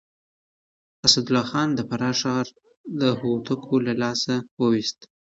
اسدالله خان د فراه ښار د هوتکو له لاسه وويست.